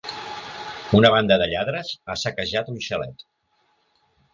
Una banda de lladres ha saquejat un xalet.